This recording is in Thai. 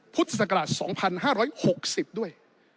พุทธศักราช๒๕๖๐ด้วย